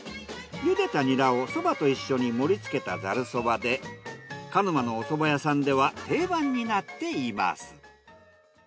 茹でたニラをそばと一緒に盛りつけたざるそばで鹿沼のおそば屋さんでは定番になっています。